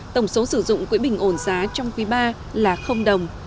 tổng số sử dụng quỹ bình ổn giá trong quỹ ba là đồng